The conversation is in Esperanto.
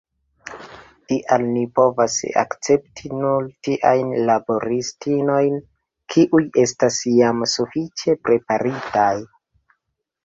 Tial ni povas akcepti nur tiajn laboristinojn, kiuj estas jam sufiĉe preparitaj.